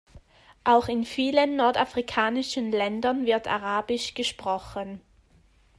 Auch in vielen nordafrikanischen Ländern wird arabisch gesprochen.